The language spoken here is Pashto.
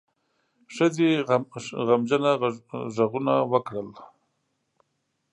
ښځې غمجنه غږونه وکړل.